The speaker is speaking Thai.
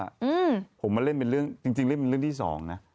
อืมผมมาเล่นเป็นเรื่องจริงจริงเล่นเป็นเรื่องที่สองนะ